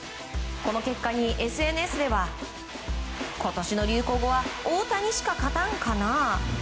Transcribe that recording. この結果にＳＮＳでは今年の流行語は「大谷しか勝たん」かな？